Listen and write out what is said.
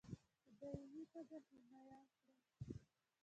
په دایمي توګه حمایه کړي.